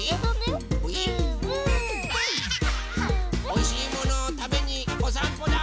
おいしいものをたべにおさんぽだ！